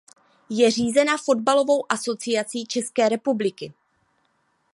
Je řízena Fotbalovou asociací České republiky.